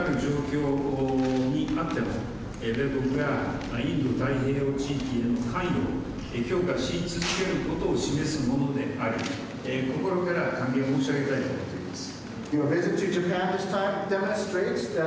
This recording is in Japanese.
今回の訪日はいかなる状況にあっても米国がインド太平洋地域への関与を強化し続けることを示すものであり、心から歓迎申し上げたいと思っています。